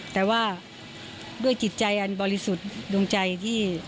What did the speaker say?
แต่ว่าด้วยจิตใจอันบริสุทธิ์